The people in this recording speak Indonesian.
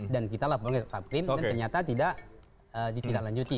dan kitalah pemerintah krim dan ternyata tidak ditingkat lanjuti